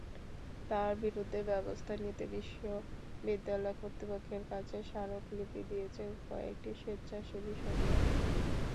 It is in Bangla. তাঁর বিরুদ্ধে ব্যবস্থা নিতে বিশ্ববিদ্যালয় কর্তৃপক্ষের কাছে স্মারকলিপি দিয়েছে কয়েকটি স্বেচ্ছাসেবী সংগঠন।